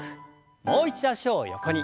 もう一度脚を横に。